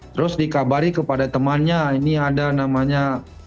terus dikabari kepada temannya ini ada namanya